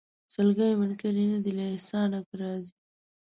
سلګۍ منکري نه دي له احسانه که راځې